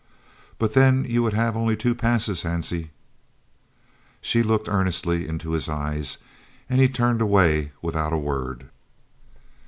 "But then you would have only two passes, Hansie." She looked earnestly into his eyes, and he turned away without a word.